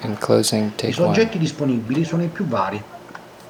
I soggetti disponibili sono i più vari.